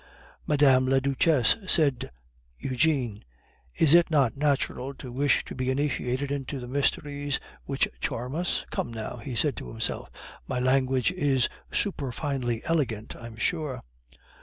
"Mme. la Duchesse," said Eugene, "is it not natural to wish to be initiated into the mysteries which charm us?" ("Come, now," he said to himself, "my language is superfinely elegant, I'm sure.")